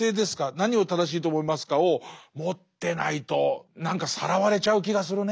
何を正しいと思いますか？」を持ってないと何かさらわれちゃう気がするね。